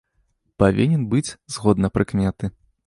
Павінен быць, згодна прыкметы.